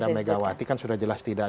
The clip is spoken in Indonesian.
ya ada megawati kan sudah jelas tidak